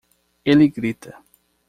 Ele grita